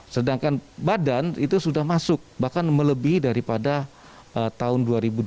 sedangkan badan itu sudah masuk bahkan melebih daripada tahun dua ribu dua puluh